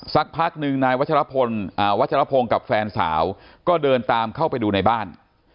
สักพักหนึ่งนายวัชรพงศ์กับแฟนสาวก็เดินตามเข้าไปดูในบ้าน